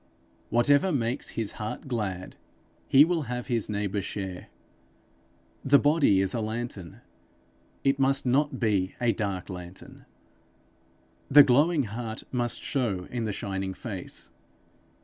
Whatever makes his heart glad, he will have his neighbour share. The body is a lantern; it must not be a dark lantern; the glowing heart must show in the shining face.